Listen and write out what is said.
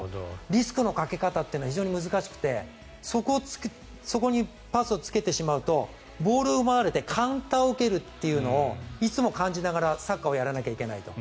リスクのかけ方というのは非常に難しくてそこにパスをつけてしまうとボールを奪われてカウンターを受けるというのをいつも感じながらサッカーをやらなきゃいけないと。